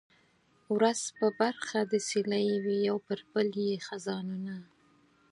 ورځ په برخه د سیلۍ وي یو پر بل یې خزانونه